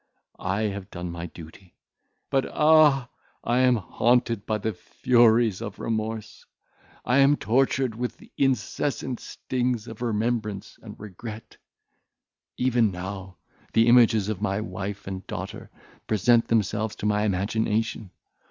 I have done my duty; but ah! I am haunted by the furies of remorse; I am tortured with the incessant stings of remembrance and regret; even now the images of my wife and daughter present themselves to my imagination.